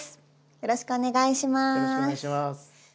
よろしくお願いします。